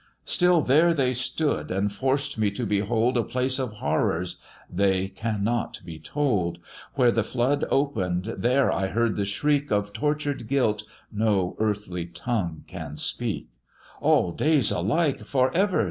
"Still there they stood, and forced me to behold A place of horrors they can not be told Where the flood open'd, there I heard the shriek Of tortured guilt no earthly tongue can speak: 'All days alike! for ever!'